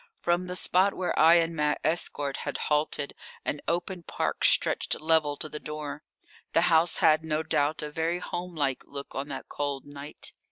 From the spot where I and my escort had halted an open park stretched level to the door. The house had, no doubt, a very homelike look on that cold night.